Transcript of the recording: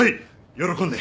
喜んで。